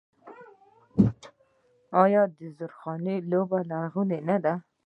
آیا د زورخانې لوبه لرغونې نه ده؟